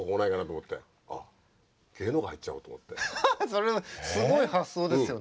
それもすごい発想ですよね。